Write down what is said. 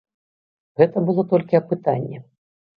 Гэта было толькі апытанне.